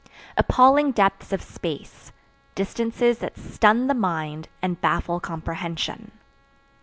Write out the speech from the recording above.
APPALLING DEPTHS OF SPACE. Distances that Stun the Mind and Baffle Comprehension.